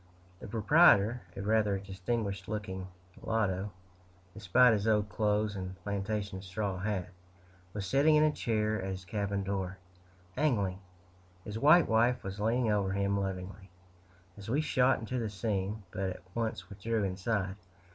The proprietor, a rather distinguished looking mulatto, despite his old clothes and plantation straw hat, was sitting in a chair at his cabin door, angling; his white wife was leaning over him lovingly, as we shot into the scene, but at once withdrew inside.